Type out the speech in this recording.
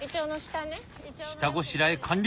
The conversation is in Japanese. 下ごしらえ完了！